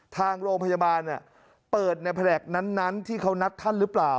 ทางโรงพยาบาลเปิดในแผนกนั้นที่เขานัดท่านหรือเปล่า